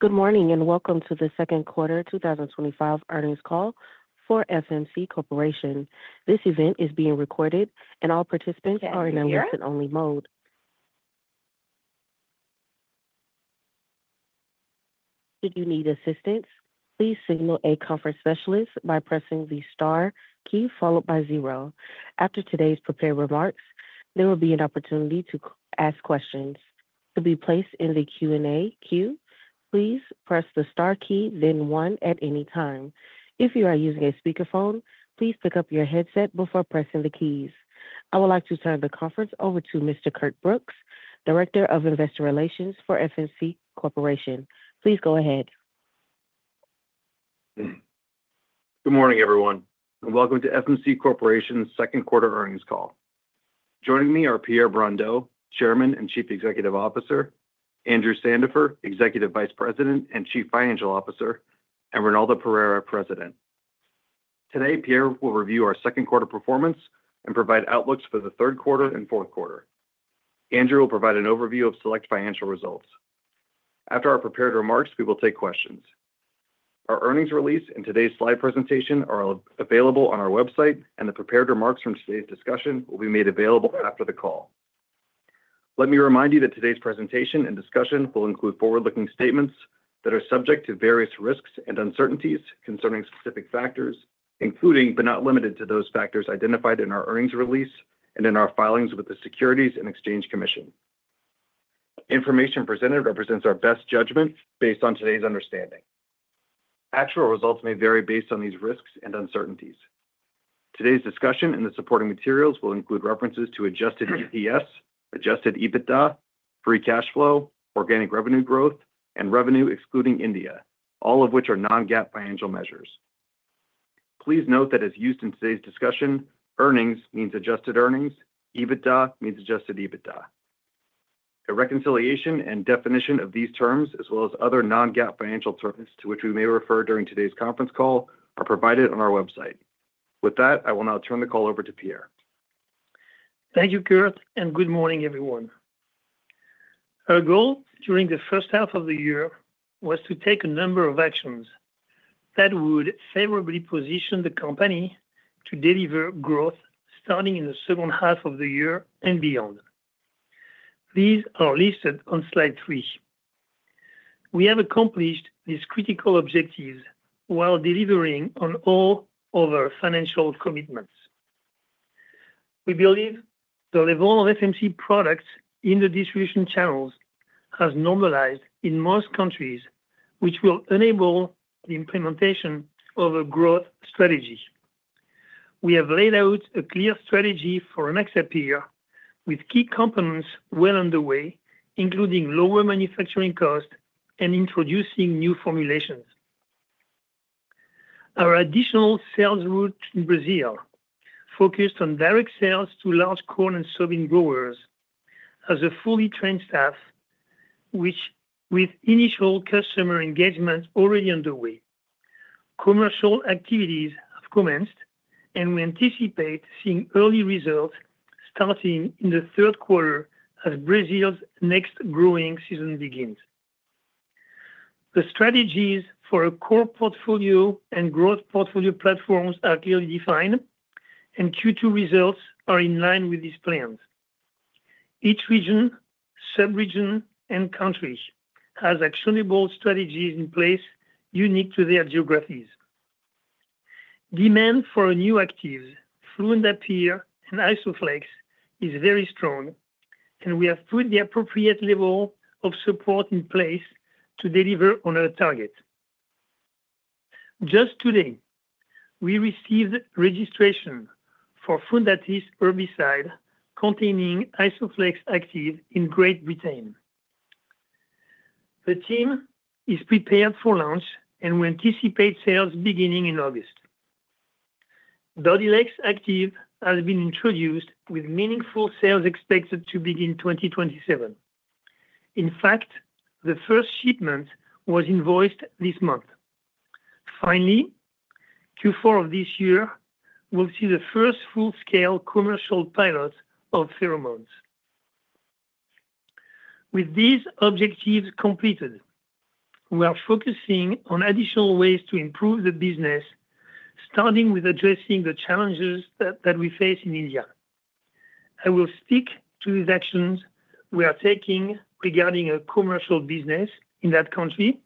Good morning and welcome to the second quarter 2025 earnings call for FMC Corporation. This event is being recorded and all participants are in a listen only mode. Should you need assistance, please signal a conference specialist by pressing the star key followed by zero. After today's prepared remarks, there will be an opportunity to ask questions to be placed in the Q&A queue. Please press the star key then one at any time. If you are using a speakerphone, please pick up your headset before pressing the keys. I would like to turn the conference over to Mr. Curt Brooks, Director of Investor Relations for FMC Corporation. Please go ahead. Good morning everyone and welcome to FMC Corporation second quarter earnings call. Joining me are Pierre Brondeau, Chairman and Chief Executive Officer, Andrew Sandifer, Executive Vice President and Chief Financial Officer, and Ronaldo Pereira, President. Today, Pierre will review our second quarter performance and provide outlooks for the third quarter and fourth quarter. Andrew will provide an overview of select financial results. After our prepared remarks, we will take questions. Our earnings release and today's slide presentation are available on our website, and the prepared remarks from today's discussion will be made available after the call. Let me remind you that today's presentation and discussion will include forward-looking statements that are subject to various risks and uncertainties concerning specific factors including, but not limited to, those factors identified in our earnings release and in our filings with the Securities and Exchange Commission. Information presented represents our best judgment based on today's understanding. Actual results may vary based on these risks and uncertainties. Today's discussion and the supporting materials will include references to adjusted EPS, adjusted EBITDA, free cash flow, organic revenue growth, and revenue excluding India, all of which are non-GAAP financial measures. Please note that as used in today's discussion, earnings means adjusted earnings, EBITDA means adjusted EBITDA. A reconciliation and definition of these terms, as well as other non-GAAP financial terms to which we may refer during today's conference call, are provided on our website. With that, I will now turn the call over to Pierre. Thank you, Curt, and good morning, everyone. Our goal during the first half of the year was to take a number of actions that would favorably position the company to deliver growth starting in the second half of the year and beyond. These are listed on slide three. We have accomplished these critical objectives while delivering on all of our financial commitments. We believe the level of FMC products in the distribution channels has normalized in most countries, which will enable the implementation of a growth strategy. We have laid out a clear strategy for an with key components well underway, including lower manufacturing cost and introducing new formulations. Our additional sales route in Brazil focused on direct sales to large corn and soybean growers as a fully trained staff. With initial customer engagement already underway, commercial activities have commenced, and we anticipate seeing early results starting in the third quarter as Brazil's next growing season begins. The strategies for a core portfolio and growth portfolio platforms are clearly defined, and Q2 results are in line with these plans. Each region, sub-region, and country has actionable strategies in place unique to their geographies. Demand for new actives fluindapyr and Isoflex is very strong, and we have put the appropriate level of support in place to deliver on our target. Just today, we received registration for Fundatis herbicide containing Isoflex active in Great Britain. The team is prepared for launch, and we anticipate sales beginning in August. Dodhylex active has been introduced with meaningful sales expected to begin 2027. In fact, the first shipment was invoiced this month. Finally, Q4 of this year will see the first full-scale commercial pilot of pheromones. With these objectives completed, we are focusing on additional ways to improve the business, starting with addressing the challenges that we face in India. I will speak to these actions we are taking regarding a commercial business in that country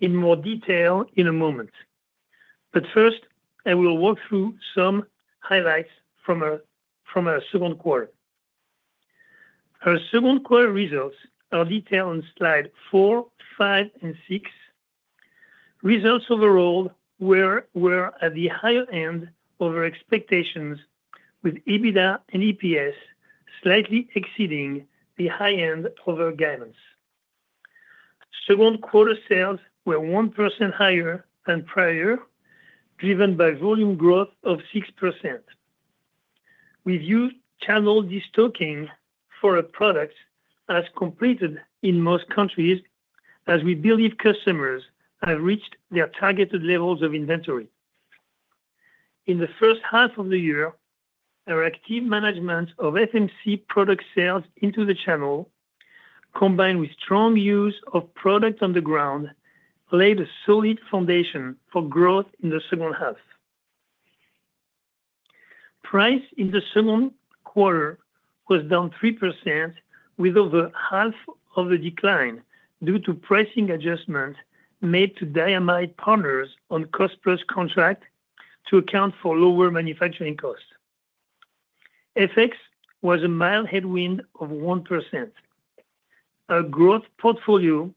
in more detail in a moment, but first I will walk through some highlights from our second quarter. Our second quarter results are detailed on Slide four, five, and six. Results overall were at the higher end of our expectations, with EBITDA and EPS slightly exceeding the high end of our guidance. Second quarter sales were 1% higher than prior year, driven by volume growth of 6%. We've used channel destocking for a product as completed in most countries as we believe customers have reached their targeted levels of inventory in the first half of the year. Our active management of FMC product sales into the channel, combined with strong use of products on the ground, laid a solid foundation for growth in the second half. Price in the second quarter was down 3% with over half of the decline due to pricing adjustments made to diamide partners on cost plus contract to account for lower manufacturing costs. FX was a mild headwind of 1%. Our growth portfolio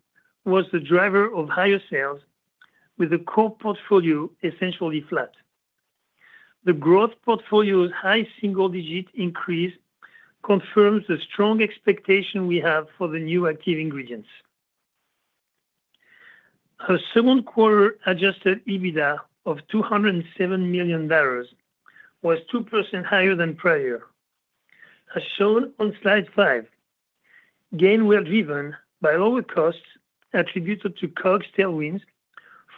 was the driver of higher sales, with the core portfolio essentially flat. The growth portfolio's high single digit increase confirms the strong expectation we have for the new active ingredients. A second quarter adjusted EBITDA of $207 million was 2% higher than prior year as shown on slide five. Gains were driven by lower costs attributed to COGS tailwinds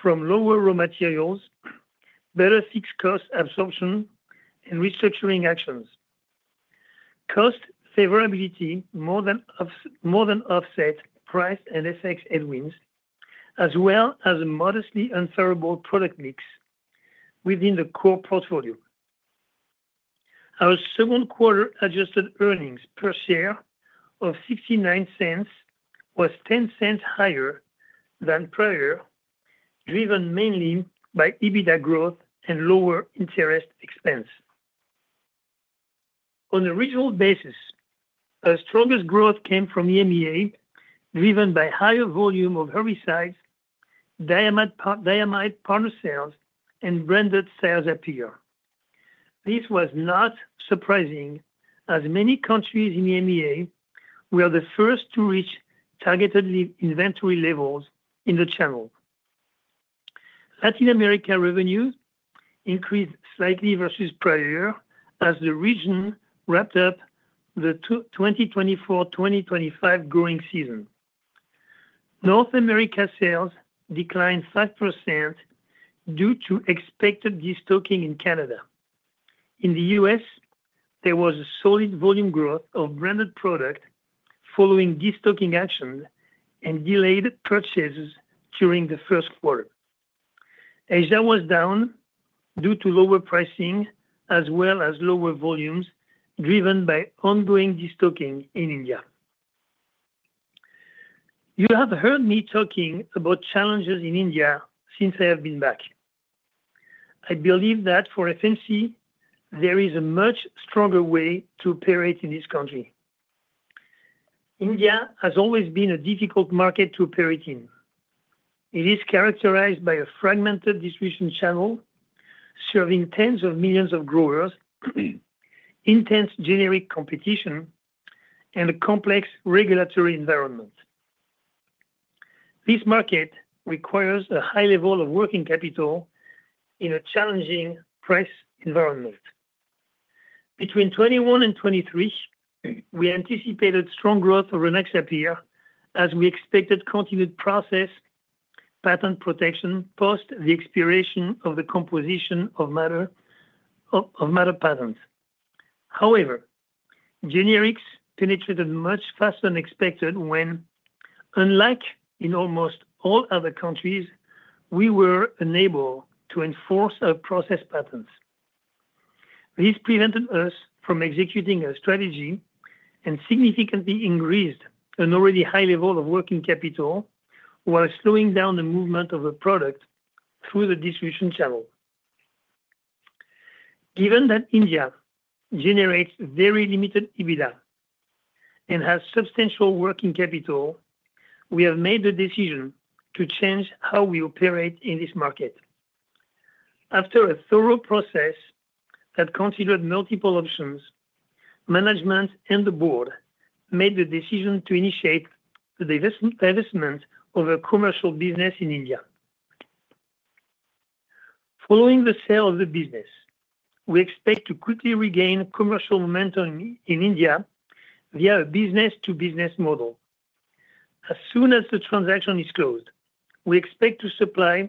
from lower raw materials, better fixed cost absorption and restructuring actions. Cost favorability more than offset price and FX headwinds as well as a modestly unfavorable product mix within the core portfolio. Our second quarter adjusted EPS of $0.69 was $0.10 higher than prior year, driven mainly by EBITDA growth and lower interest expense. On a regional basis, our strongest growth came from EMEA, driven by higher volume of herbicides, diamide partner sales and branded sales appear. This was not surprising as many countries in the EMEA were the first to reach targeted inventory levels in the channel. Latin America revenues increased slightly versus prior year as the region wrapped up the 2024-2025 growing season. North America sales declined 5% due to expected destocking in Canada. In the U.S. there was a solid volume growth of branded product following destocking actions and delayed purchases during the first quarter. Asia was down due to lower pricing as well as lower volumes driven by ongoing destocking in India. You have heard me talking about challenges in India since I have been back. I believe that for FMC there is a much stronger way to operate in this country. India has always been a difficult market to operate in. It is characterized by a fragmented distribution channel serving tens of millions of growers, intense generic competition and a complex regulatory environment. This market requires a high level of working capital in a challenging price environment. Between 2021 and 2023 we anticipated strong growth over next app as we expected continued process patent protection post the expiration of the composition of matter patents. However, generics penetrated much faster than expected when, unlike in almost all other countries, we were unable to enforce our process patents. This prevented us from executing our strategy and significantly increased an already high level of working capital while slowing down the movement of a product through the distribution channel. Given that India generates very limited EBITDA and has substantial working capital, we have made the decision to change how we operate in this market. After a thorough process that considered multiple options, management and the board made the decision to initiate the divestment of a commercial business in India. Following the sale of the business, we expect to quickly regain commercial momentum in India via a business-to-business model. As soon as the transaction is closed, we expect to supply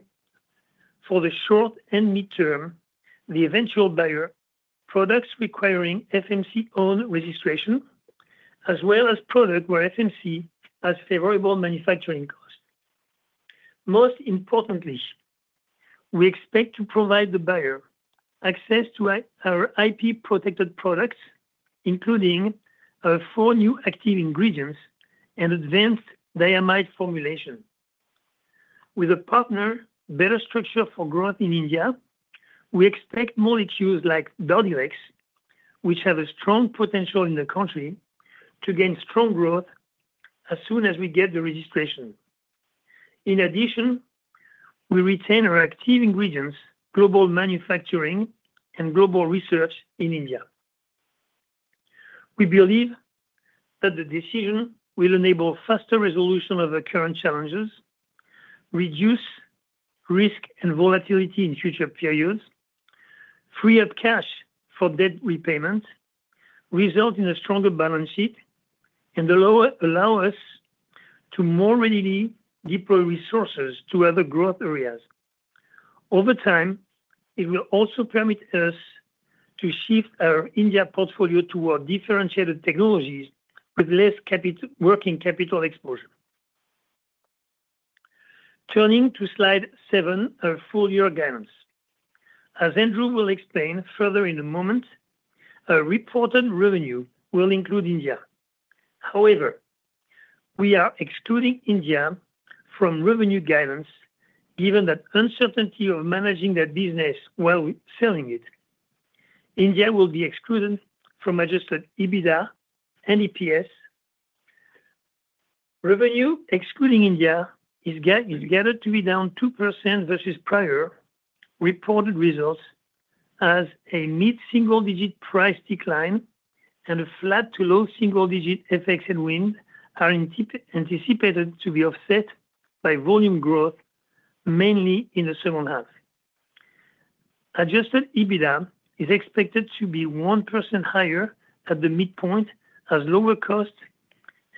for the short and midterm the eventual buyer products requiring FMC owned registration as well as product where FMC has favorable manufacturing costs. Most importantly, we expect to provide the buyer access to our IP-protected products including four new active ingredients and advanced diamide formulation. With a partner better structured for growth in India, we expect molecules like Dodhylex which have a strong potential in the country to gain strong growth as soon as we get the registration. In addition, we retain our active ingredients global manufacturing and global research in India. We believe that the decision will enable faster resolution of the current challenges, reduce risk and volatility in future periods, free up cash for debt repayment, result in a stronger balance sheet and allow us to more readily deploy resources to other growth areas over time. It will also permit us to shift our India portfolio toward differentiated technologies with less working capital exposure. Turning to slide seven and full year guidance as Andrew will explain further in a moment, reported revenue will include India. However, we are excluding India from revenue guidance given that uncertainty of managing that business while selling it, India will be excluded from adjusted EBITDA and EPS. Revenue excluding India is gathered to be down 2% versus prior reported results as a mid single digit price decline and a flat to low single digit FX headwind are anticipated to be offset by volume growth mainly in the second half. Adjusted EBITDA is expected to be 1% higher than at the midpoint as lower cost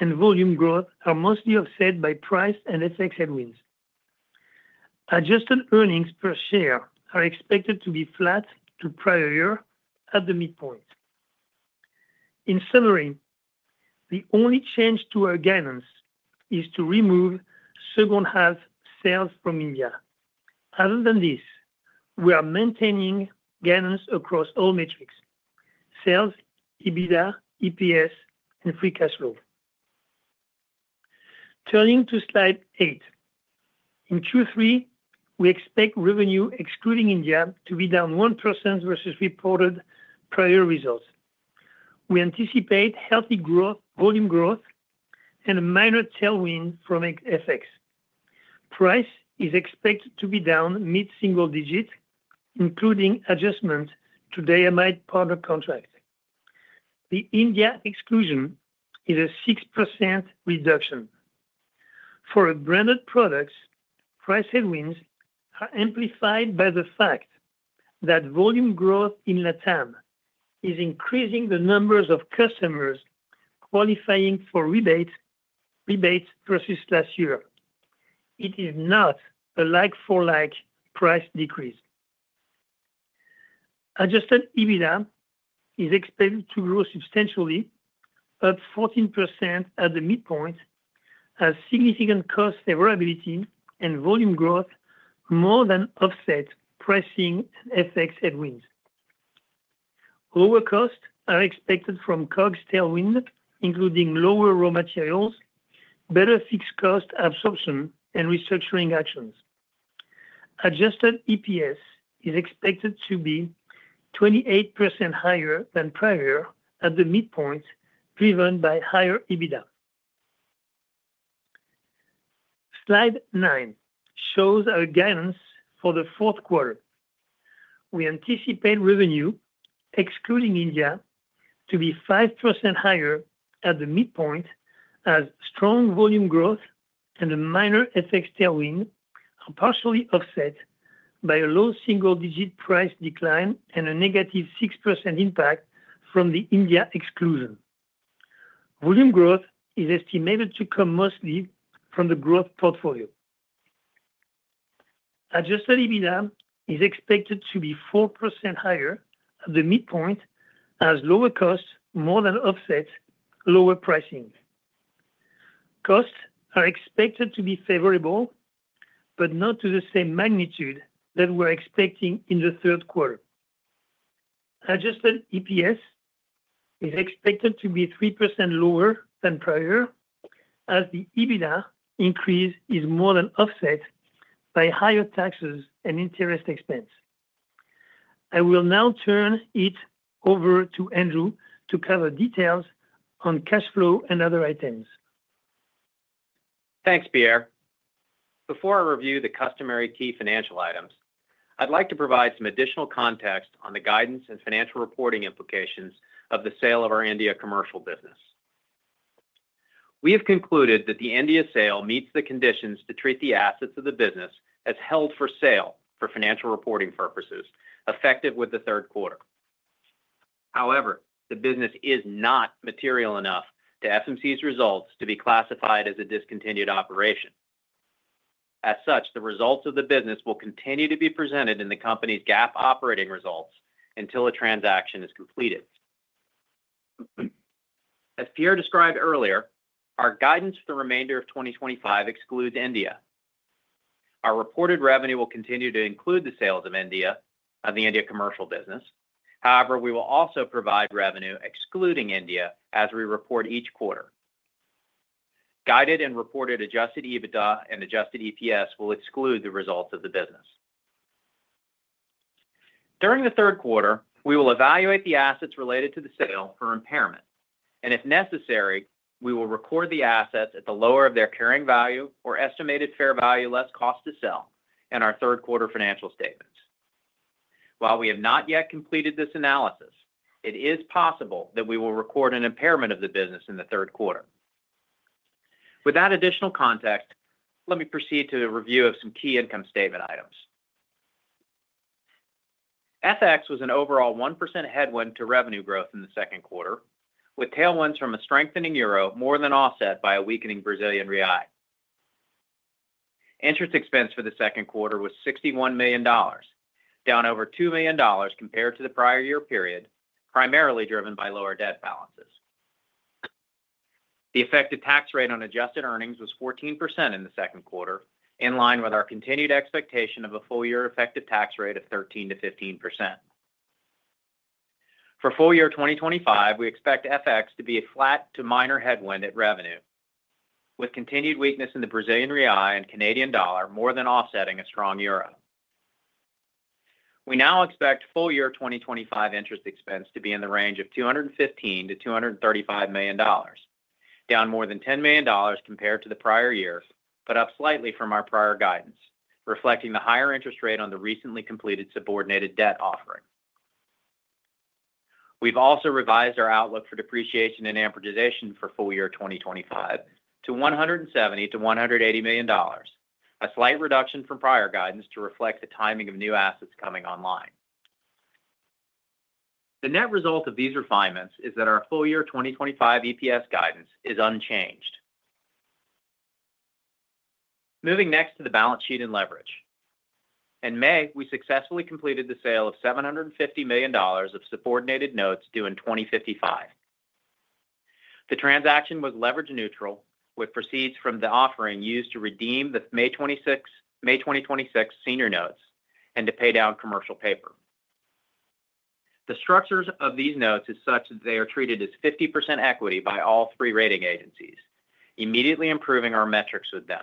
and volume growth are mostly offset by price and FX headwinds. Adjusted earnings per share are expected to be flat to prior year at the midpoint. In summary, the only change to our guidance is to remove second half sales from India. Other than this, we are maintaining guidance across all sales, EBITDA, EPS, and free cash flow. Turning to slide eight, in Q3, we expect revenue excluding India to be down 1% versus reported prior results. We anticipate healthy growth, volume growth, and a minor tailwind from FX. Price increase is expected to be down mid single digit including adjustment to diamide product contract. The India exclusion is a 6% reduction for branded products. Price headwinds are amplified by the fact that volume growth in LATAM is increasing the numbers of customers qualifying for rebates versus last year. It is not a like for like price decrease. Adjusted EBITDA is expected to grow substantially, up 14% at the midpoint as significant cost favorability and volume growth more than offset pricing. FX headwinds, lower cost, and are expected from COGS tailwind including lower raw materials, better fixed cost absorption, and restructuring actions. Adjusted EPS is expected to be 28% higher than prior year at the midpoint driven by higher EBITDA. Slide nine shows our guidance for the fourth quarter. We anticipate revenue excluding India to be 5% higher at the midpoint as strong volume growth and a minor FX tailwind are partially offset by a low single digit price decline and a negative 6% impact from the India exclusion. Volume growth is estimated to come mostly from the growth portfolio. Adjusted EBITDA is expected to be 4% higher at the midpoint as lower costs more than offset. Lower pricing costs are expected to be favorable, but not to the same magnitude that we're expecting in the third quarter. Adjusted EPS is expected to be 3% lower than prior as the EBITDA increase is more than offset by higher taxes and interest expense. I will now turn it over to Andrew to cover details on cash flow and other items. Thanks, Pierre. Before I review the customary key financial items, I'd like to provide some additional context on the guidance and financial reporting implications of the sale of our India commercial business. We have concluded that the India sale meets the conditions to treat the assets of the business as held for sale for financial reporting purposes effective with the third quarter. However, the business is not material enough to FMC's results to be classified as a discontinued operation. As such, the results of the business will continue to be presented in the company's GAAP operating results until a transaction is completed. As Pierre described earlier, our guidance for the remainder of 2025 excludes India. Our reported revenue will continue to include the sales of the India commercial business. However, we will also provide revenue excluding India as we report each quarter. Guided and reported adjusted EBITDA and adjusted EPS will exclude the results of the business. During the third quarter, we will evaluate the assets related to the sale for impairment, and if necessary, we will record the assets at the lower of their carrying value or estimated fair value, less cost to sell in our third quarter financial statements. While we have not yet completed this analysis, it is possible that we will record an impairment of the business in the third quarter. With that additional context, let me proceed to a review of some key income statement items. FX was an overall 1% headwind to revenue growth in the second quarter, with tailwinds from a strengthening euro more than offset by a weakening Brazilian real. Interest expense for the second quarter was $61 million, down over $2 million compared to the prior year period, primarily driven by lower debt balances. The effective tax rate on adjusted earnings was 14% in the second quarter, in line with our continued expectation of a full year effective tax rate of 13%-15% for full year 2025. We expect FX to be a flat to minor headwind at revenue with continued weakness in the Brazilian real and Canadian dollar more than offsetting a strong euro. We now expect full year 2025 interest expense to be in the range of $215 million-$235 million, down more than $10 million compared to the prior year, but up slightly from our prior guidance, reflecting the higher interest rate on the recently completed subordinated debt offering. We've also revised our outlook for depreciation and amortization for full year 2025 to $170-$180 million, a slight reduction from prior guidance to reflect the timing of new assets. The net result of these refinements is that our full year 2025 EPS guidance is unchanged. Moving next to the balance sheet and leverage, in May we successfully completed the sale of $750 million of subordinated notes due in 2055. The transaction was leverage neutral, with proceeds from the offering used to redeem the May 2026 Senior Notes and to pay down commercial paper. The structure of these notes is such that they are treated as 50% equity by all three rating agencies, immediately improving our metrics with them.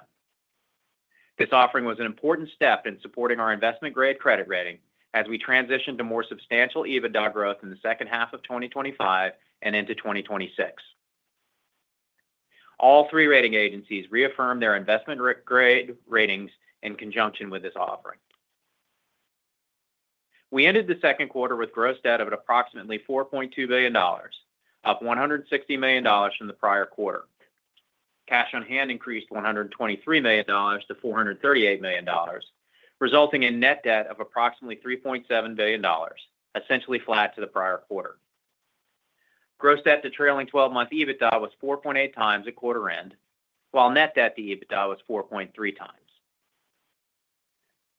This offering was an important step in supporting our investment grade credit rating as we transition to more substantial EBITDA growth in the second half of 2025 and into 2026. All three rating agencies reaffirmed their investment grade ratings, and in conjunction with this offering, we ended the second quarter with gross debt of approximately $4.2 billion, up $160 million from the prior quarter. Cash on hand increased $123 million to $438 million, resulting in net debt of approximately $3.7 billion, essentially flat to the prior quarter. Gross debt to trailing twelve month EBITDA was 4.8x at quarter end, while net debt to EBITDA was 4.3x.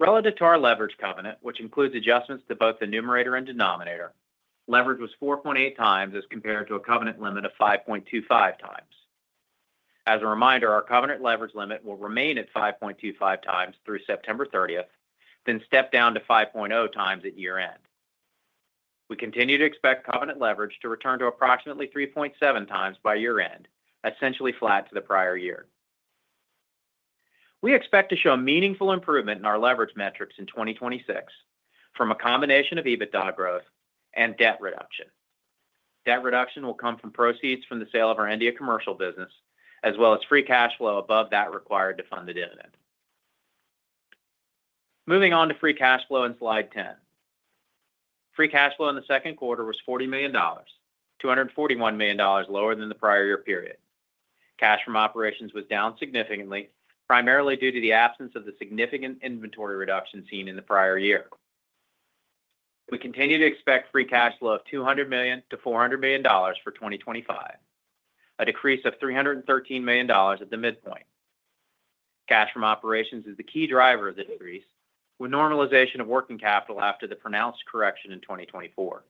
Relative to our leverage covenant, which includes adjustments to both the numerator and denominator, leverage was 4.8x as compared to a covenant limit of 5.25x. As a reminder, our covenant leverage limit will remain at 5.25x through September 30, then step down to 5.0x at year end. We continue to expect covenant leverage to return to approximately 3.7x by year end, essentially flat to the prior year. We expect to show meaningful improvement in our leverage metrics in 2026 from a combination of EBITDA growth and debt reduction. Debt reduction will come from proceeds from the sale of our India commercial business as well as free cash flow above that required to fund the dividend. Moving on to free cash flow in Slide 10, free cash flow in the second quarter was $40 million, $241 million lower than the prior year period. Cash from operations was down significantly, primarily due to the absence of the significant inventory reduction seen in the prior year. We continue to expect free cash flow of $200 million-$400 million for 2025, a decrease of $313 million at the midpoint. Cash from operations is the key driver of the decrease with normalization of working capital after the pronounced correction in 2024.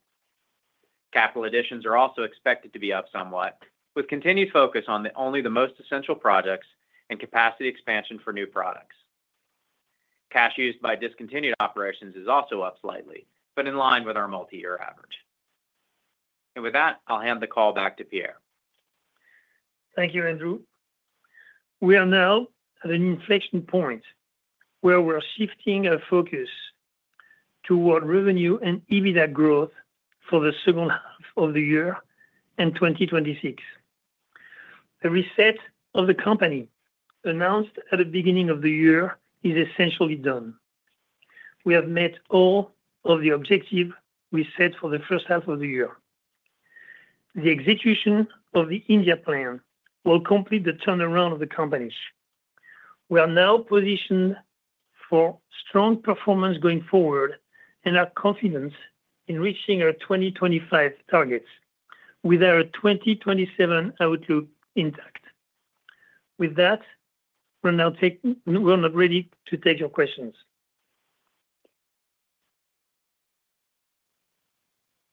Capital additions are also expected to be up somewhat, with continued focus on only the most essential projects and capacity expansion for new products. Cash used by discontinued operations is also up slightly, but in line with our multi-year average. With that, I'll hand the call back to Pierre. Thank you, Andrew. We are now at an inflection point where we're shifting a focus toward revenue and EBITDA growth for the second half of the year and 2026. The reset of the company announced at the beginning of the year is essentially done. We have met all of the objectives we set for the first half of the year. The execution of the India plan will complete the turnaround of the company. We are now positioned for strong performance going forward and are confident in reaching our 2025 targets with our 2027 outlook intact. With that, we're now ready to take your questions.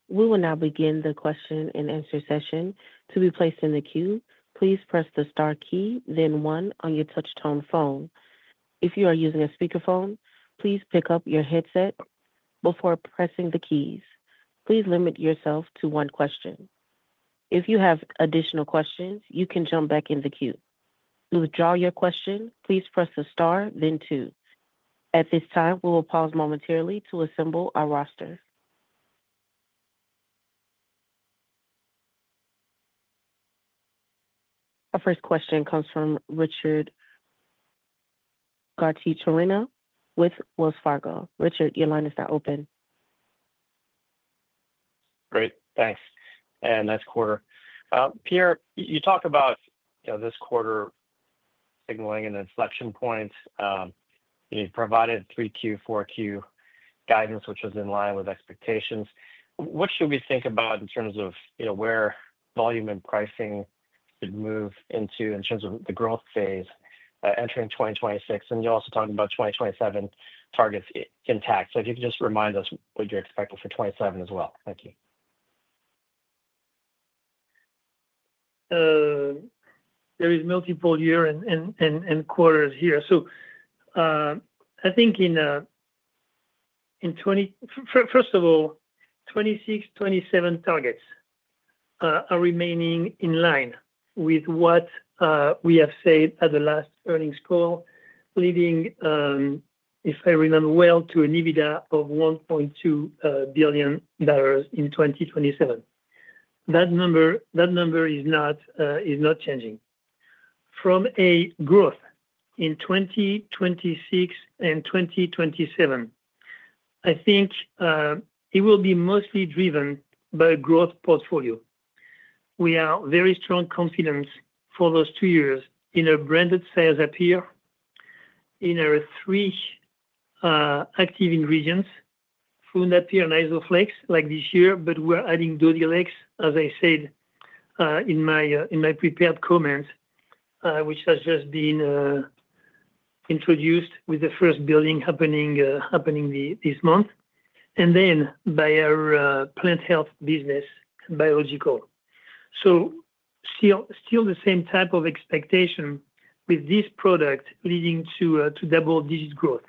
We will now begin the question and answer session. To be placed in the queue, please press the star key then 1 on your touch tone phone. If you are using a speakerphone, please pick up your headset before pressing the keys. Please limit yourself to one question. If you have additional questions, you can jump back in the queue. To withdraw your question, please press the star then two. At this time, we will pause momentarily to assemble our roster. Our first question comes from Richard Garchitorena with Wells Fargo. Richard, your line is now open. Great, thanks. Next quarter, Pierre, you talk about this quarter signaling an inflection point. You provided 3Q and 4Q guidance, which was in line with expectations. What should we think about in terms of, you know, where volume and pricing. Should move into in terms of the. Growth phase entering 2026 and you're also talking about 2027 targets intact. If you could just remind us what you're expecting for 2027 as well. Thank you. There is multiple year and quarters here, so I think in 2026, 2027 targets are remaining in line with what we have said at the last earnings call, leading, if I remember well, to an EBITDA of $1.2 billion in 2027. That number is not changing from a growth in 2026 and 2027. I think it will be mostly driven by a growth portfolio. We are very strong confidence for those two years in our branded sales appear, in our three active ingredients fluindapyr and Isoflex like this year. We're adding Dodhylex as I said in my prepared comments which has just been introduced with the first building happening this month and then by our plant health business biological. Still the same type of expectation with this product leading to double digit growth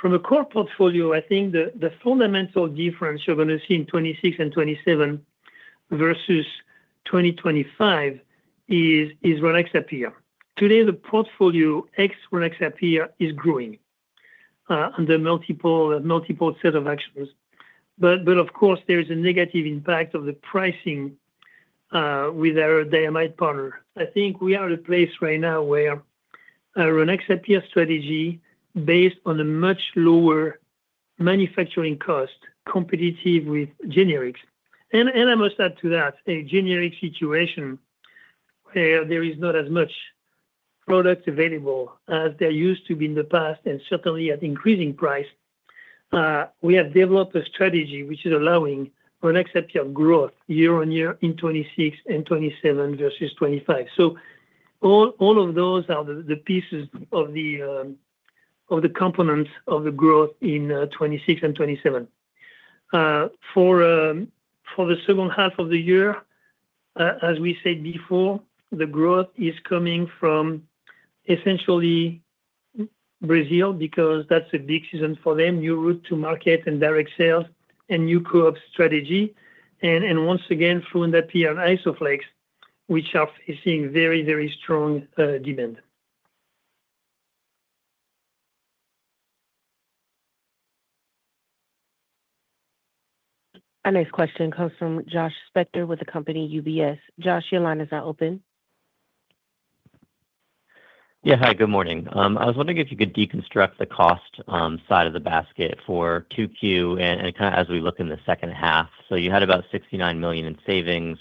from a core portfolio. I think the fundamental difference you're going to see in 2026 and 2027 versus 2025 is Rynaxypyr. Today the portfolio ex Rynaxypyr is growing under multiple set of actions but of course there is a negative impact of the pricing with our diamide partner. I think we are at a place right now where Rynaxypyr strategy based on a much lower manufacturing cost competitive with generics and I must add to that a generic situation where there is not as much product available as there used to be in the past and certainly at increasing price. We have developed a strategy which is allowing for an accepted growth year on year in 2026 and 2027 versus 2025. All of those are the pieces of the components of the growth in 2026 and 2027 for the second half of the year. As we said before, the growth is coming from essentially Brazil because that's a big season for them. New route to market and direct sales and new co op strategy. Once again through that period Isoflex, which is seeing very, very strong demand. Our next question comes from Josh Spector with the company UBS. Josh, your line is now open. Yeah, hi, good morning. I was wondering if you could deconstruct the cost side of the basket for 2Q and kind of as we look in the second half. You had about $69 million in savings.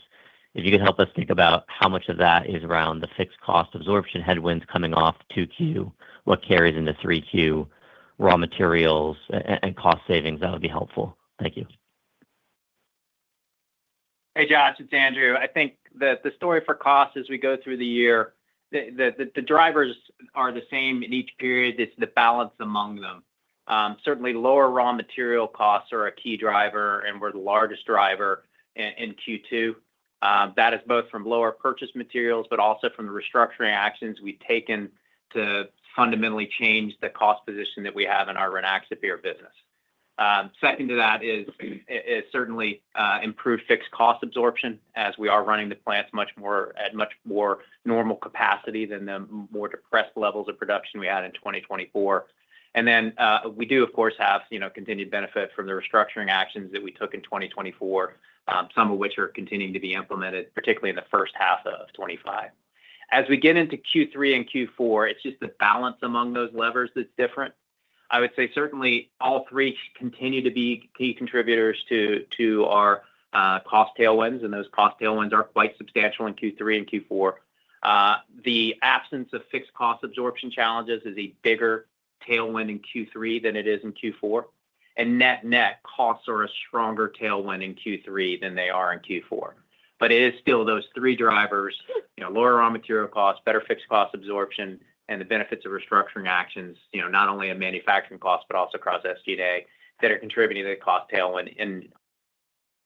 If you could help us think about how much of that is around the fixed cost absorption headwinds coming off 2Q, what carries into 3Q, raw materials and cost savings, that would be helpful, thank you. Hey Josh, it's Andrew. I think that the story for cost as we go through the year, the drivers are the same in each period. It's the balance among them. Certainly, lower raw material costs are a key driver and were the largest driver in Q2. That is both from lower purchased materials but also from the restructuring actions we've taken to fundamentally change the cost position that we have in our Rynaxypyr business. Second to that is certainly improved fixed cost absorption as we are running the plants at much more normal capacity than the more depressed levels of production we had in 2024. We do of course have continued benefit from the restructuring actions that we took in 2024, some of which are continuing to be implemented, particularly in 1H25. As we get into Q3 and Q4, it's just the balance among those levers that's different. I would say certainly all three continue to be key contributors to our cost tailwinds, and those cost tailwinds are quite substantial in Q3 and Q4. The absence of fixed cost absorption challenges is a bigger tailwind in Q3 than it is in Q4, and net net costs are a stronger tailwind in Q3 than they are in Q4. It is still those three drivers, you know, lower raw material costs, better fixed cost absorption and the benefits of restructuring actions, you know, not only in manufacturing costs but also across SG&A that are contributing to the cost tailwind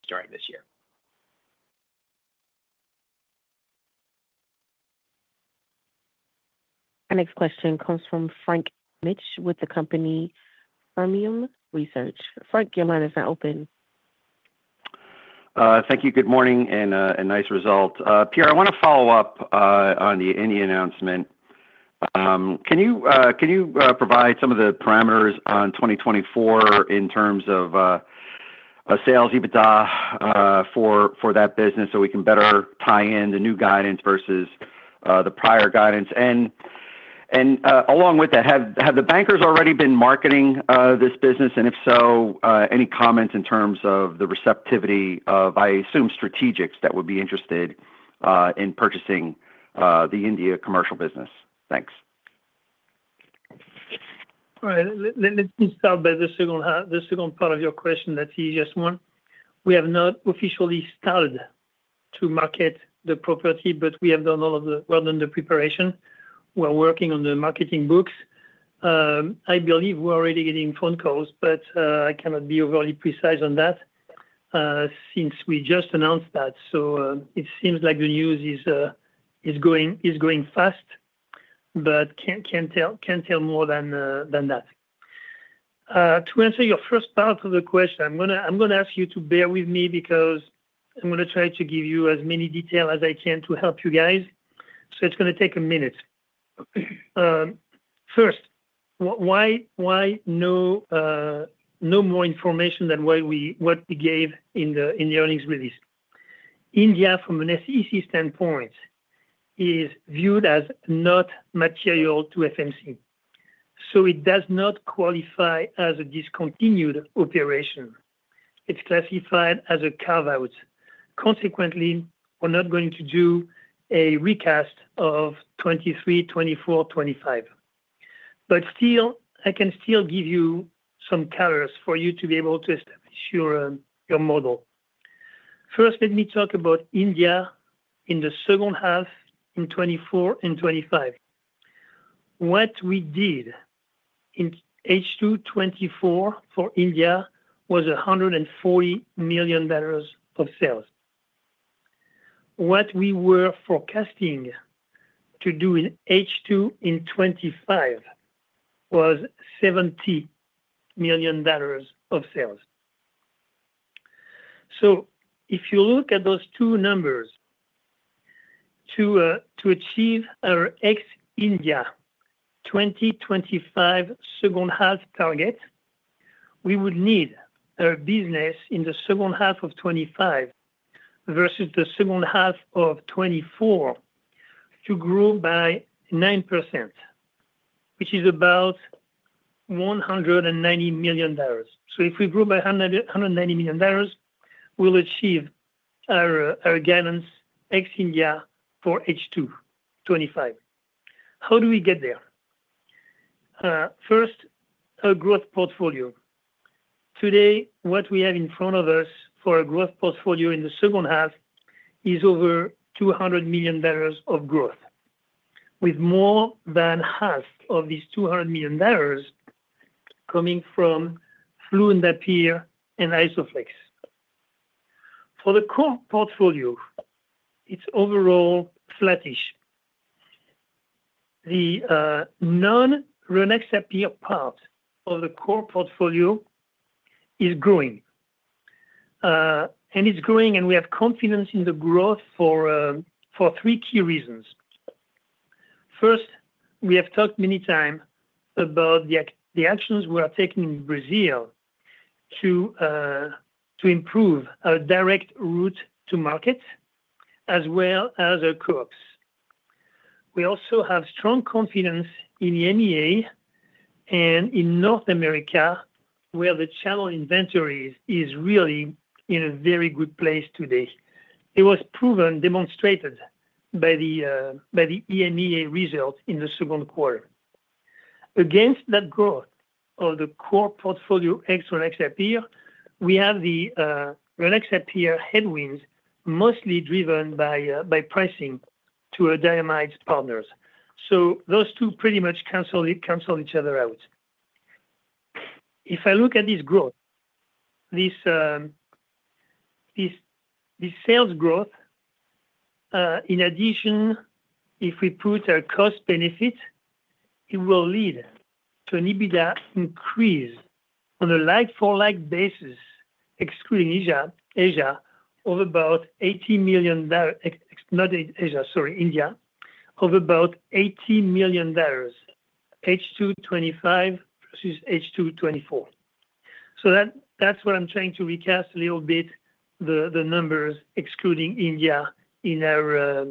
during this year. Our next question comes from Frank Mitsch with the company Fermium Research. Frank, your line is now open. Thank you. Good morning and nice result. Pierre, I want to follow up on the announcement. Can you provide some of the parameters on 2024 in terms of sales, EBITDA for that business so we can better tie in the new guidance versus the prior guidance? Along with that, have the bankers already been marketing this business? If so, any comments in terms of the receptivity of, I assume, strategics that would be interested in purchasing the India commercial business? Thanks. All right, let me start by the second half, the second part of your question that he just won. We have not officially started to market the property, but we have done all of the preparation, we're working on the marketing books. I believe we're already getting phone calls, but I cannot be overly precise on that since we just announced that. It seems like the news is going fast, but can't tell more than that. To answer your first part of the question, I'm going to ask you to bear with me because I'm going to try to give you as many details as I can to help you guys. It's going to take a minute. First, why no more information than what we gave in the earnings release? India from an SEC standpoint is viewed as not material to FMC. It does not qualify as a discontinued operation. It's classified as a carve out. Consequently, we're not going to do a recast of 2023, 2024, 2025. Still, I can give you some colors for you to be able to establish your model. First, let me talk about India in the second half in 2024 and 2025. What we did in H2 2024 for India was $140 million of sales. What we were forecasting to do in H2 in 2025 was $70 million of sales. If you look at those two numbers, to achieve our India 2025 second half target, we would need a business in 2H25 versus 2H24 to grow by 9%, which is about $190 million. If we grow by $190 million, we'll achieve our gains ex India for H2 2025. How do we get there? First, a growth portfolio. Today, what we have in front of us for a growth portfolio in the second half is over $200 million of growth, with more than half of these $200 million coming from fluindapyr and Isoflex. For the core portfolio, it's overall flattish. The non-Rynaxypyr part of the core portfolio is growing, and it's growing and we have confidence in the growth for three key reasons. First, we have talked many times about the actions we are taking in Brazil to improve a direct route to market as well as co-ops. We also have strong confidence in EMEA and in North America, where the channel inventories are really in a very good place today. It was proven, demonstrated by the EMEA result in the second quarter. Against that growth of the core portfolio ex Rynaxypyr, we have the Rynaxypyr headwinds, mostly driven by pricing to diamide partners. Those two pretty much cancel each other out. If I look at this growth. This. Sales growth and in addition if we put our cost benefit, it will lead to an EBITDA increase on a like-for-like basis excluding Asia, of about $80 million—not Asia, sorry, India—of about $80 million, H2 2025 versus H2 2024. That's what I'm trying to recast a little bit, the numbers excluding India in our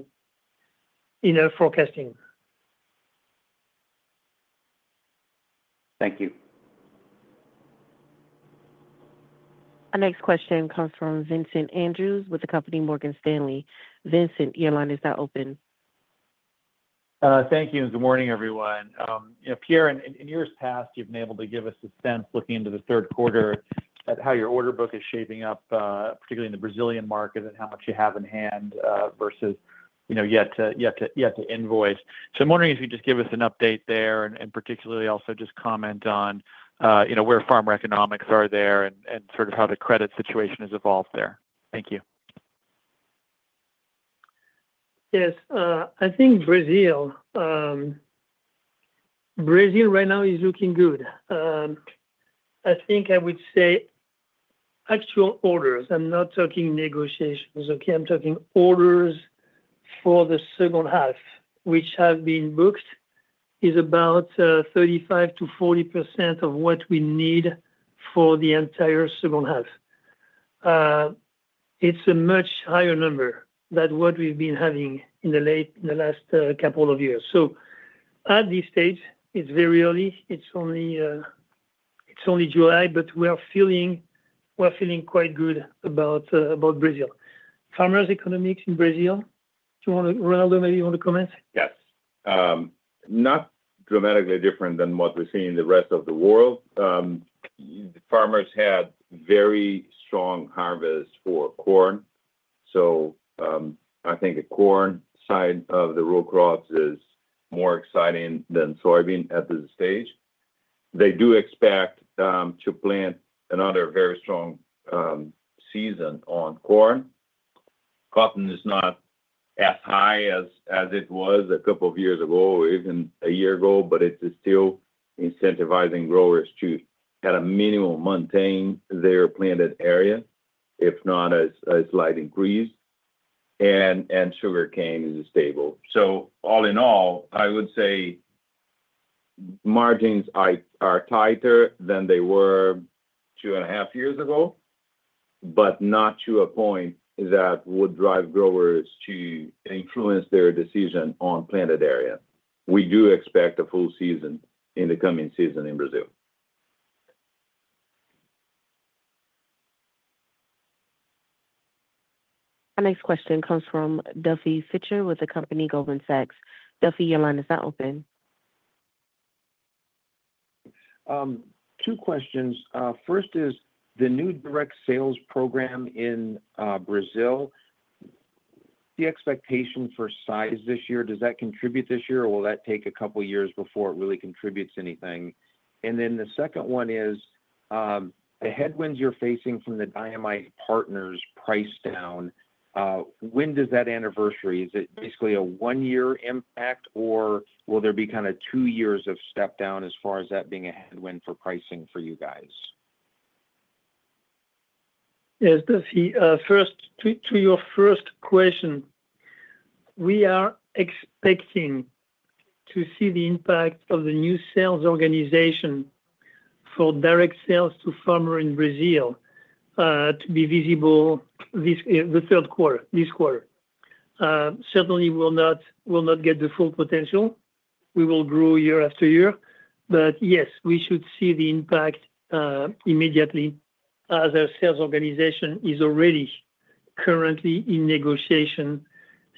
forecasting. Thank you. Our next question comes from Vincent Andrews with Morgan Stanley. Vincent, your line is now open. Thank you and good morning everyone. Pierre, in years past you've been able. To give us a sense looking into. The third quarter at how your order book is shaping up, particularly in the Brazilian market, and how much you have in hand versus yet to invoice. I'm wondering if you could just give us an update there and particularly also comment on where farmer economics are there and how the credit situation has evolved there. Thank you. Yes, I think Brazil right now is looking good. I think, I would say actual orders—I'm not talking negotiations, I'm talking orders for the second half which have been booked—is about 35% to 40% of what we need for the entire second half. It's a much higher number than what we've been having in the last couple of years. At this stage it's very early. It's only July, but we are feeling quite good about Brazil farmers' economics in Brazil. Ronaldo, maybe you want to comment. Yes. Not dramatically different than what we see in the rest of the world. The farmers had very strong harvest for corn. I think the corn side of the row crops is more exciting than soybean at this stage. They do expect to plant another very strong season on corn. Cotton is not as high as it was a couple of years ago, even a year ago, but it is still incentivizing growers to at a minimum maintain their planted area, if not as a slight increase. Sugarcane is stable. All in all, I would say margins are tighter than they were two and a half years ago, but not to a point that would drive growers to influence their decision on planted area. We do expect a full season in the coming season in Brazil. Our next question comes from Duffy Fischer with the company Goldman Sachs. Duffy, your line is now open. Two questions. First, is the new direct sales program in Brazil, the expectation for size this year, does that contribute this year or will that take a couple years before it really contributes anything? The second one is the headwinds you're facing from the diamide partners price down. When does that anniversary, is it basically a one year impact or will there be kind of two years of step down as far as that being a headwind for pricing for you guys? Yes, Duffy, first to your first question. We are expecting to see the impact of the new sales organization for direct sales to farmer in Brazil to be visible the third quarter. This quarter certainly will not get the full potential. We will grow year after year. Yes, we should see the impact immediately as our sales organization is already currently in negotiation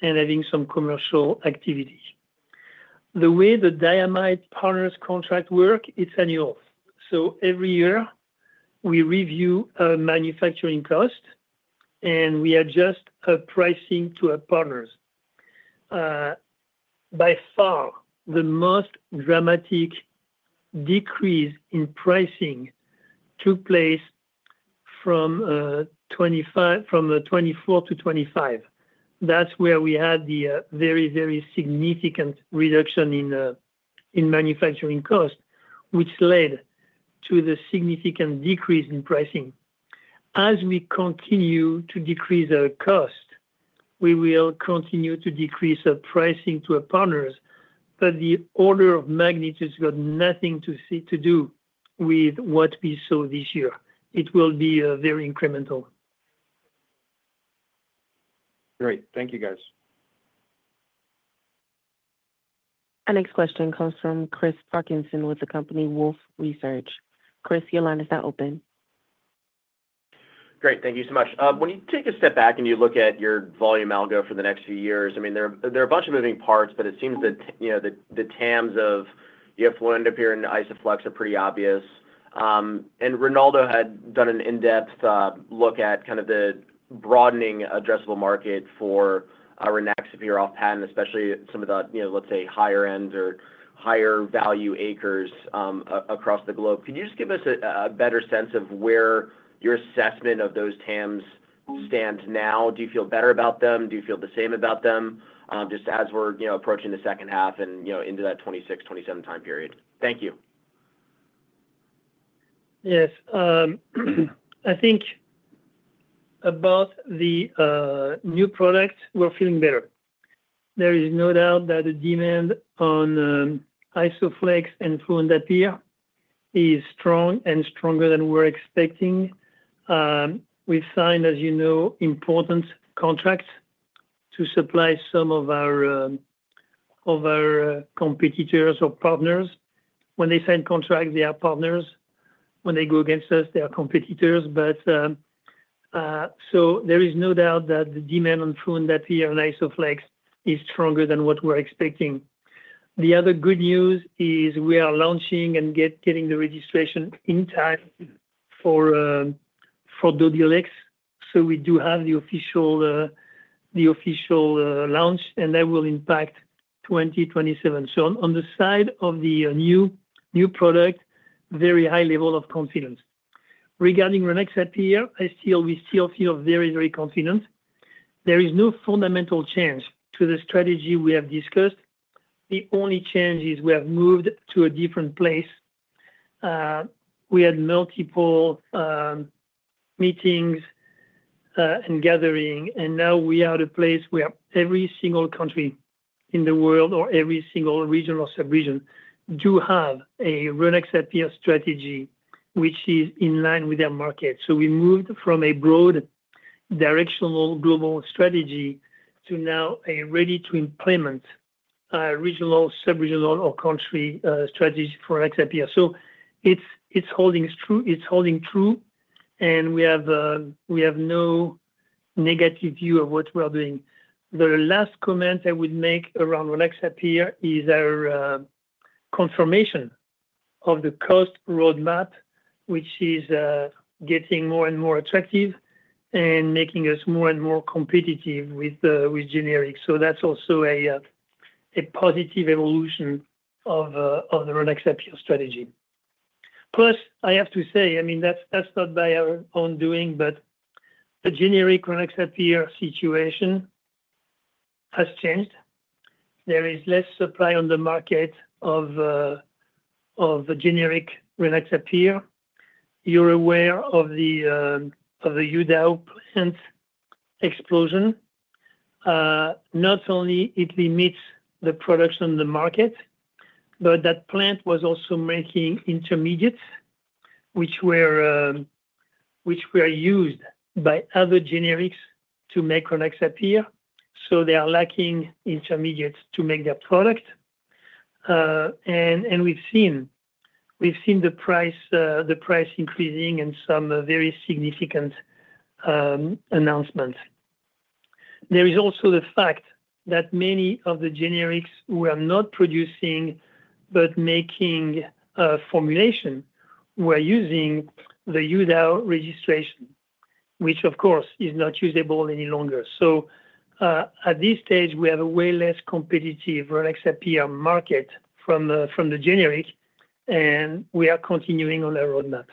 and having some commercial activity. The way the diamide partners contract works, it's annual. Every year we review manufacturing cost and we adjust pricing to our partners. By far the most dramatic decrease in pricing took place from 2024-2025. That's where we had the very, very significant reduction in manufacturing cost, which led to the significant decrease in pricing. As we continue to decrease our cost, we will continue to decrease our pricing to our partners. The order of magnitude has got nothing to do with what we saw this year. It will be very incremental. Great. Thank you, guys. Our next question comes from Chris Parkinson with the company Wolfe Research. Chris, your line is now open. Great, thank you so much. When you take a step back and you look at your volume algo for the next few years, there are a bunch of moving parts, but it seems that the TAMs of fluindapyr and Isoflex are pretty obvious. Ronaldo had done an in-depth look at the broadening addressable market for Rynaxypyr off patent, especially some of the, let's say, higher end or higher value acres across the globe. Can you just give us a better sense of where your assessment of those TAMs stand now? Do you feel better about them? Do you feel the same about them, just as we're approaching the second half and into that 2026, 2027 time period? Thank you. Yes, I think about the new products, we're feeling better. There is no doubt that the demand on Isoflex and fluindapyr is strong and stronger than we're expecting. We've signed, as you know, important contracts to supply some of our competitors or partners. When they sign contracts they are partners. When they go against us, they are competitors. There is no doubt that the demand on fluindapyr and on Isoflex is stronger than what we're expecting. The other good news is we are launching and getting the registration in time for Dodhylex, so we do have the official launch and that will impact 2027. On the side of the new product, very high level of confidence regarding Rynaxypyr, we still feel very, very confident. There is no fundamental change to the strategy we have discussed. The only change is we have moved to a different place. We had multiple meetings and gatherings and now we are at a place where every single country in the world or every single region or subregion does have a Rynaxypyr acceptance strategy which is in line with their market. We moved from a broad directional global strategy to now a ready to implement regional, subregional or country strategy for Rynaxypyr. It's holding true and we have no negative view of what we are doing. The last comment I would make around Rynaxypyr is our confirmation of the cost roadmap which is getting more and more attractive and making us more and more competitive with generics. That's also a positive evolution of the Rynaxypyr strategy. I have to say, I mean that's not by our own doing, but the generic Rynaxypyr situation has changed. There is less supply on the market of generic Rynaxypyr. You're aware of the Youdao plant explosion. Not only does it limit the products on the market, but that plant was also making intermediates which were used by other generics to make Rynaxypyr. They are lacking intermediates to make their product and we've seen the price increasing and some very significant announcements. There is also the fact that many of the generics who are not producing but making formulation were using the Youdao registration which of course is not usable any longer. At this stage we have a way less competitive Rynaxypyr market from the generic and we are continuing on a roadmap.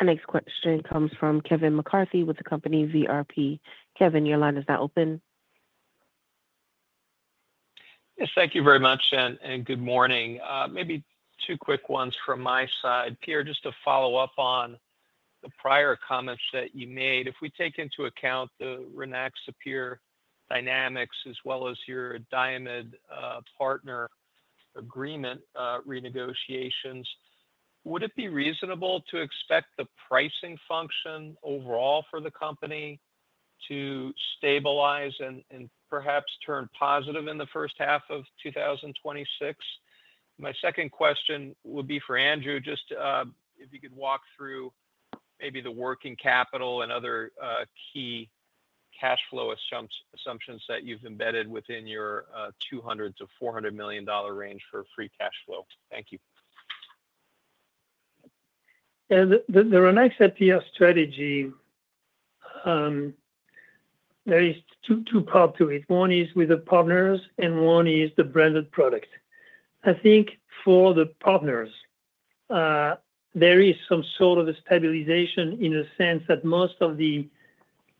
Our next question comes from Kevin McCarthy with the company VRP. Kevin, your line is now open. Thank you very much and good morning. Maybe two quick ones from my side. Pierre, just to follow up on the prior comments that you made. If we take into account the Rynaxypyr dynamics as well as your diamide partner agreement renegotiations, would it be reasonable to expect the pricing function overall for the company to stabilize and perhaps turn positive in the first half of 2026? My second question would be for Andrew, just if you could walk through maybe the working capital and other key cash flow assumptions that you've embedded within your $200-$400 million range for free cash flow. Thank you. The Rynaxypyr strategy, there are two parts to it. One is with the partners and one is the branded product. I think for the partners there is some sort of a stabilization in a sense that most of the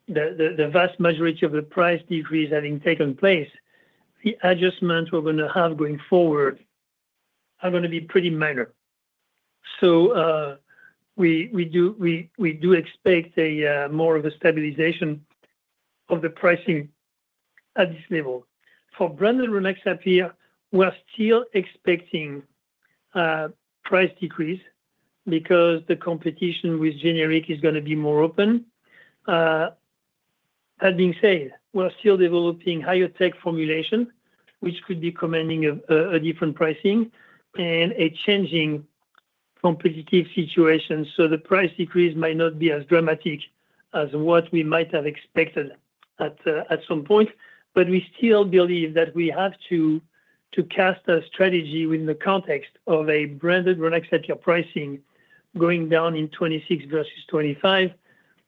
vast majority of the price decrease having taken place, the adjustments we're going to have going forward are going to be pretty minor. We do expect more of a stabilization of the pricing at this level. For branded Rynaxypyr, we're still expecting price decrease because the competition with generic is going to be more open. That being said, we're still developing higher tech formulation which could be commanding a different pricing and a changing competitive situation. The price decrease might not be as dramatic as what we might have expected at some point, but we still believe that we have to cast a strategy within the context of a branded [Rynaxypyr] pricing going down in 2026 versus 2025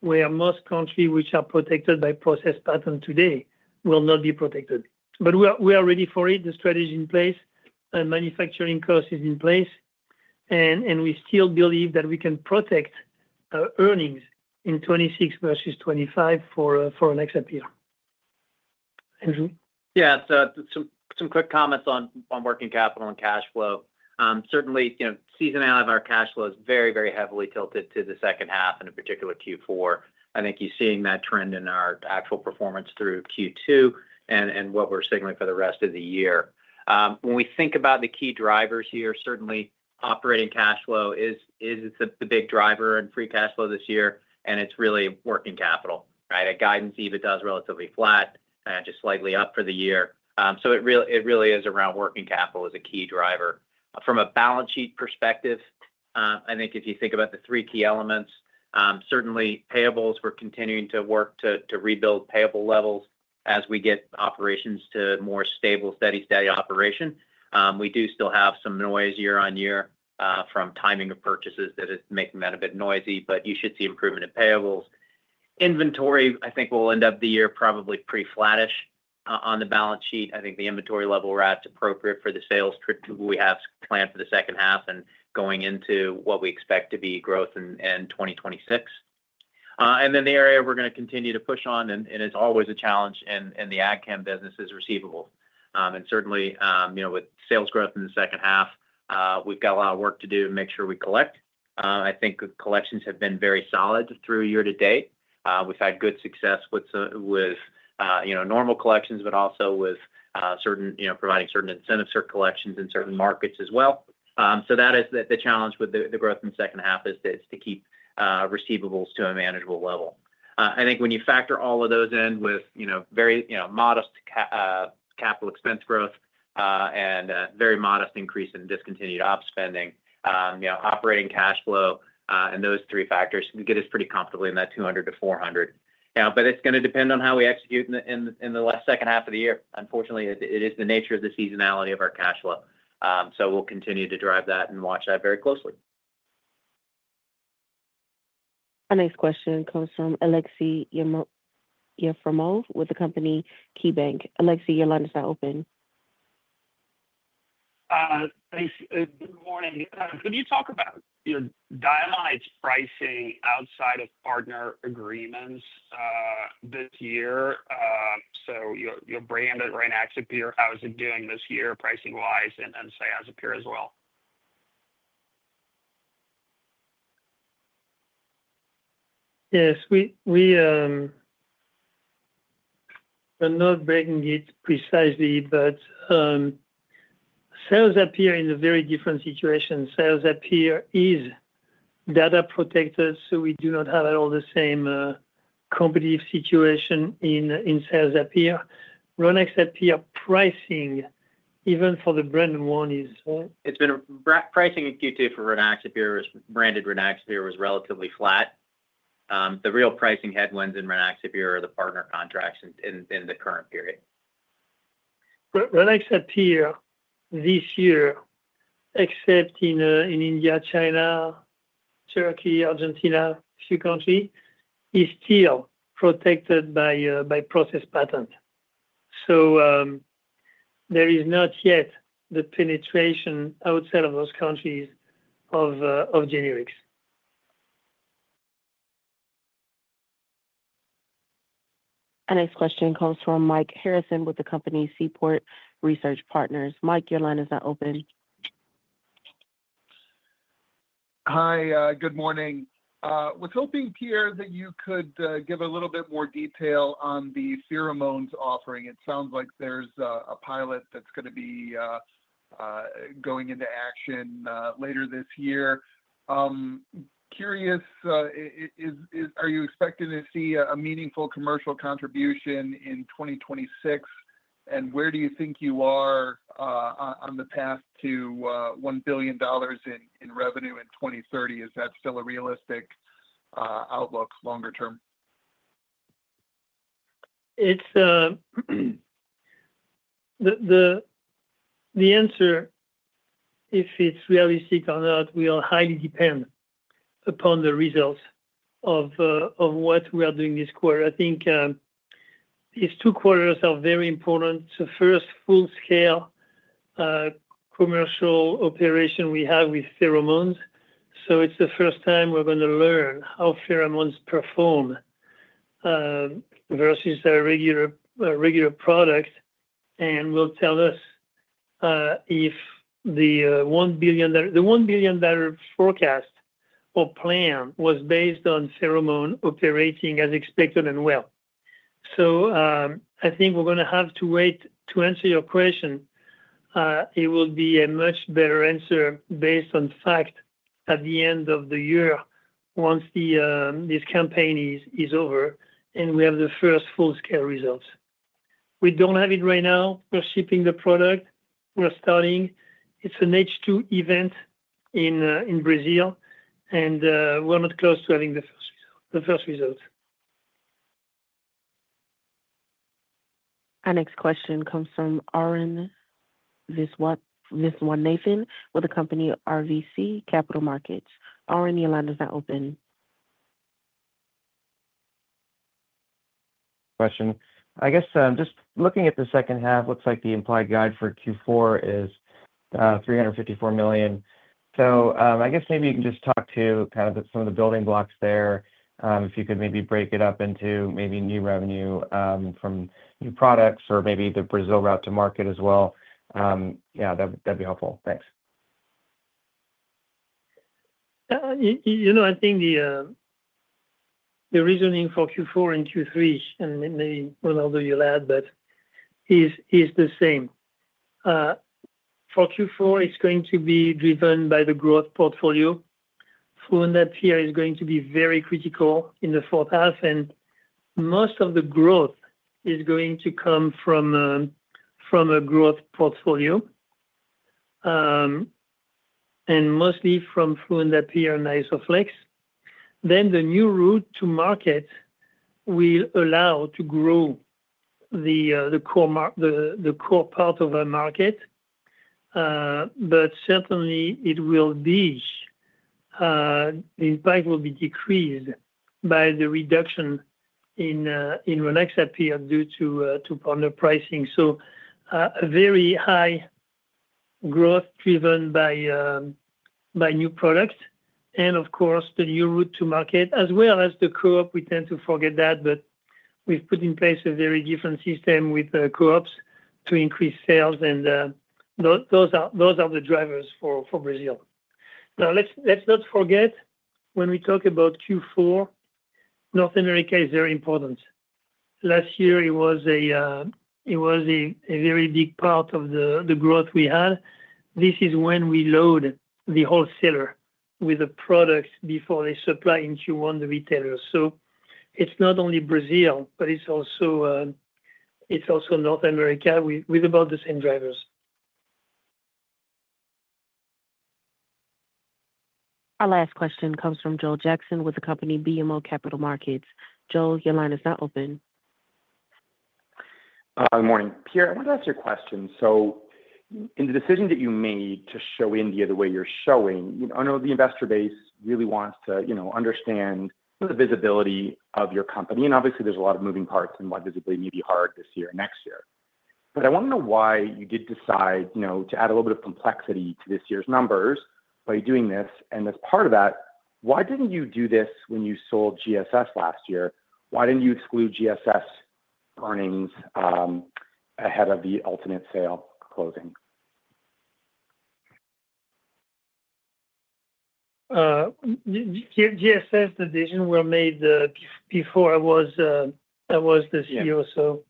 where most countries which are protected by process patent today will not be protected. We are ready for it. The strategy is in place, manufacturing cost is in place and we still believe that we can protect earnings in 2026 versus 2025 for an example. Andrew? Yeah, some quick comments on working capital and cash flow. Certainly, you know, seasonality of our cash flow is very, very heavily tilted to the second half and in particular Q4. I think you're seeing that trend in our actual performance through Q2 and what we're signaling for the rest of the year when we think about the key drivers here. Certainly, operating cash flow is the big driver in free cash flow this year and it's really working capital guidance. EBITDA is relatively flat, just slightly up for the year. It really is around working capital as a key driver from a balance sheet perspective. I think if you think about the three key elements, certainly payables, we're continuing to work to rebuild payable levels as we get operations to more stable, steady, steady operation. We do still have some noise year on year from timing of purchases that is making that a bit noisy. You should see improvement in payables. Inventory, I think will end up the year probably pretty flattish on the balance sheet. I think the inventory level we're at is appropriate for the sales trip to what we have planned for the second half and going into what we expect to be growth in 2026. The area we're going to continue to push on, and it's always a challenge in the ad chem business, receivables. Certainly, you know, with sales growth in the second half, we've got a lot of work to do to make sure we collect. I think collections have been very solid through year to date. We've had good success with, you know, normal collections, but also with providing certain incentives for collections in certain markets as well. That is the challenge with the growth in the second half, to keep receivables to a manageable level. I think when you factor all of those in with very modest capital expense growth and very modest increase in discontinued op spending, operating cash flow and those three factors get us pretty comfortably in that $200-$400 million. It's going to depend on how we execute in the last second half of the year. Unfortunately, it is the nature of the seasonality of our cash flow. We'll continue to drive that and watch that very closely. Our next question comes from Aleksey Yefremov with KeyBanc. Aleksey, your line is now open. Thanks. Good morning. Can you talk about your diamide's pricing outside of partner agreements this year? So your brand at Rynaxypyr, how is it doing this year pricing wise and Isoflex as well? Yes, we are not breaking it precisely. Sales appear in a very different situation. Sales appear is data protected, so we do not have all the same competitive situation in sales appear. Rynaxypyr pricing, even for the branded one, is it's. Pricing in Q2 for Rynaxypyr branded Rynaxypyr was relatively flat. The real pricing headwinds in Rynaxypyr are the partner contracts in the current period Rynaxypyr this year. Except in India, China, Turkey, Argentina, a few countries are still protected by process patent. There is not yet the penetration outside of those countries of generics. Our next question comes from Mike Harrison with Seaport Research Partners. Mike, your line is now open. Hi, good morning. Was hoping, Pierre, that you could give. A little bit more detail on the pheromones offering. It sounds like there's a pilot that's going to be going into action later this year. Curious, are you expecting to see? A meaningful commercial contribution in 2026, and where do you think you are on the path to $1 billion in revenue in 2030? Is that still a realistic outlook longer term? It's the answer. If it's realistic or not will highly depend upon the results of what we are doing this quarter. I think these two quarters are very important. The first full scale commercial operation we have with pheromones, it's the first time we're going to learn how pheromones perform versus a regular product and will tell us if the $1 billion forecast or plan was based on pheromone operating as expected and well. I think we're going to have to wait to answer your question. It will be a much better answer based on fact at the end of the year once this campaign is over and we have the first full scale results. We don't have it right now. We're shipping the product, we're starting. It's an H2 event in Brazil and we're not close to having the first result. Our next question comes from Aaron Nathan with the company RBC Capital Markets. Aaron, the line is open. Question. I guess just looking at the second. Half looks like the implied guide for Q4 is $354 million. I guess maybe you can just talk to kind of some of the building blocks there, if you could maybe break it up into maybe new revenue from new products or maybe the Brazil route to market as well. Yeah, that'd be helpful, thanks. You know, I think the reasoning for Q4 and Q3, and Ronaldo you'll add, is the same for Q4. It's going to be driven by the growth portfolio through that year. It's going to be very critical in the fourth half, and most of the growth is going to come from a growth portfolio and mostly from fluindapyr and Isoflex. The new route to market will allow to grow the core part of our market. Certainly, the impact will be decreased by the reduction in Rynaxypyr period due to partner pricing. A very high growth driven by new products and of course the new route to market as well as the co-op, we tend to forget that. We've put in place a very different system with co-ops to increase sales, and those are the drivers for Brazil. Let's not forget when we talk about Q4, North America is very important. Last year it was a very big part of the growth we had. This is when we load the wholesaler with the products before they supply in Q1 the retailers. It's not only Brazil, but it's also North America with about the same drivers. Our last question comes from Joel Jackson with the company BMO Capital Markets. Joel, your line is not open. Good morning, Pierre. I want to ask you a question. In the decision that you made to show India the way you're showing, I know the investor base really wants to understand the visibility of your company and obviously there's a lot of moving parts and why visibility may be hard this year, next year. I want to know why you did decide to add a little bit of complexity to this year's numbers by doing this. As part of that, why didn't you do this when you sold GSS last year? Why didn't you exclude GSS earnings ahead. Of the ultimate sale closing? GSS decisions were made before I was the CEO.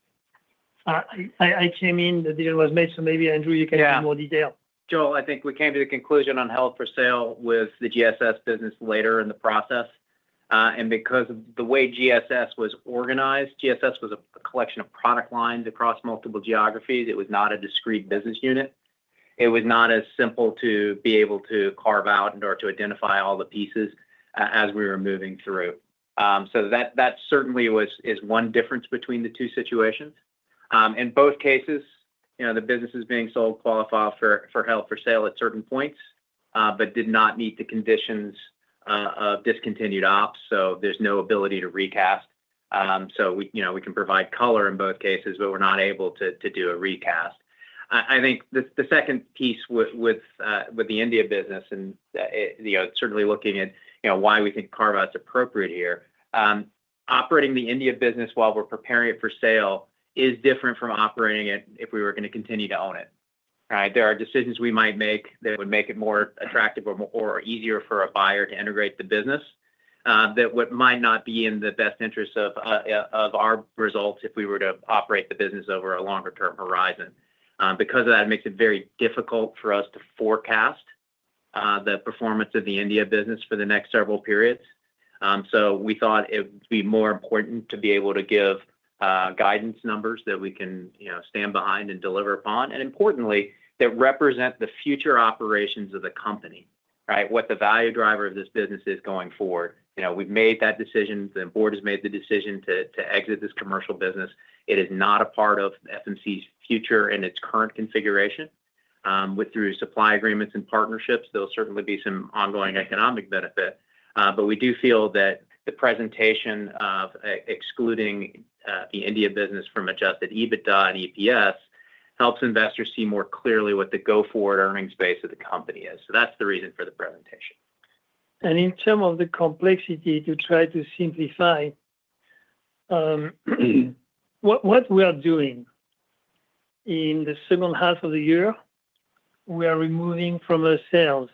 I came in, the deal was made. Maybe Andrew, you can give more detail. Joel, I think we came to the conclusion on held for sale with the GSS business later in the process, and because of the way GSS was organized. GSS was a collection of product lines across multiple geographies. It was not a discrete business unit. It was not as simple to be able to carve out and or to identify all the pieces as we were moving through. That certainly is one difference between the two situations. In both cases, the businesses being sold qualify for held for sale at certain points but did not meet the conditions of discontinued ops. There is no ability to recast. We can provide color in both cases, but we're not able to do a recast. I think the second piece with the India business, and certainly looking at why we think carve out is appropriate here. Operating the India business while we're preparing it for sale is different from operating it if we were going to continue to own it. There are decisions we might make that would make it more attractive or easier for a buyer to integrate the business. That might not be in the best interest of our results if we were to operate the business over a longer-term horizon. Because of that, it makes it very difficult for us to forecast the performance of the India business for the next several periods. We thought it would be more important to be able to give guidance, numbers that we can stand behind and deliver upon, and importantly that represent the future operations of the company. What the value driver of this business is going forward. We've made that decision. The board has made the decision to exit this commercial business. It is not a part of FMC's future in its current configuration. With supply agreements and partnerships, there will certainly be some ongoing economic benefit. We do feel that the presentation of excluding the India business from adjusted EBITDA and EPS helps investors see more clearly what the go-forward earnings base of the company is. That is the reason for the presentation. In terms of the complexity to try to simplify what we are doing in the second half of the year, we are removing from our sales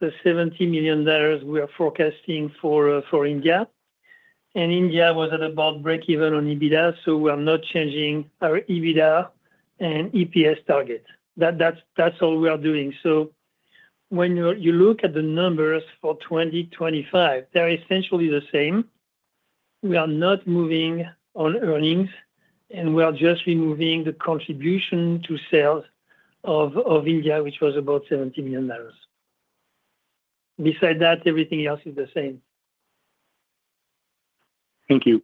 the $70 million we are forecasting for India. India was at about breakeven on EBITDA. We are not changing our EBITDA and EPS target. That is all we are doing. When you look at the numbers for 2025, they are essentially the same. We are not moving on earnings and we are just removing the contribution to sales of India, which was about $70 million. Besides that, everything else is the same. Thank you.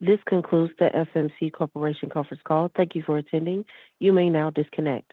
This concludes the FMC Corporation conference call. Thank you for attending. You may now disconnect.